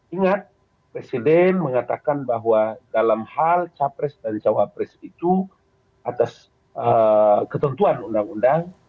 ingat presiden mengatakan bahwa dalam hal capres dan cawapres itu atas ketentuan undang undang